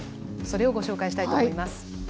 それをご紹介したいと思います。